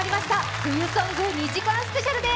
冬ソング２時間スペシャルです。